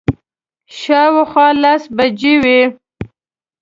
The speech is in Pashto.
شاوخوا لس بجې وې.